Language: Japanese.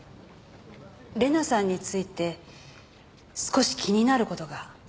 玲奈さんについて少し気になる事が。